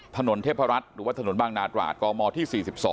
ถนนเทพรัฐหรือว่าถนนบางนาตราดกมที่๔๒